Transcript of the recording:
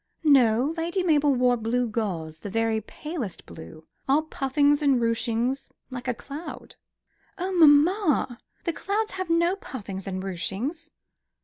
"No; Lady Mabel wore blue gauze the very palest blue, all puffings and ruchings like a cloud." "Oh mamma! the clouds have no puffings and ruchings."